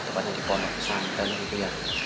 tepatnya di pondok santan dan rupiah